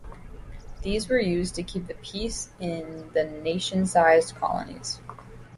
These were used to keep the peace in the nation-sized colonies.